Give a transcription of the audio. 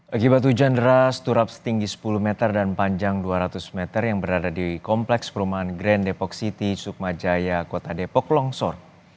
akibat hujan deras turap setinggi sepuluh meter dan panjang dua ratus meter yang berada di kompleks perumahan grand depok city sukma jaya kota depok longsor